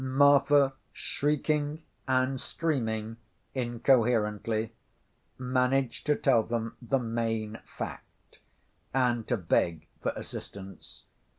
Marfa, shrieking and screaming incoherently, managed to tell them the main fact, and to beg for assistance.